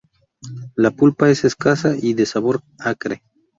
La pulpa es escasa y de sabor acre.